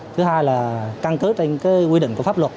thứ hai là căn cứ trên quy định của pháp luật